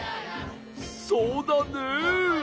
そうだね。